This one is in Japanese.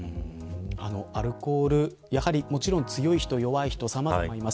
アルコール、もちろん強い人弱い人さまざまいます。